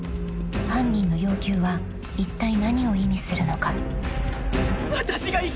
［犯人の要求はいったい何を意味するのか？］